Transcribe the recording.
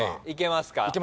いけます。